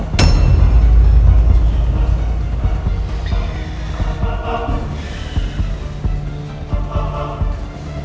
baik ya te irony